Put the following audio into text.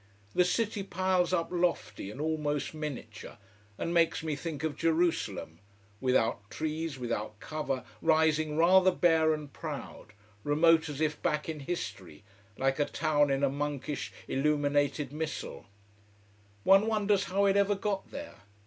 The city piles up lofty and almost miniature, and makes me think of Jerusalem: without trees, without cover, rising rather bare and proud, remote as if back in history, like a town in a monkish, illuminated missal. One wonders how it ever got there.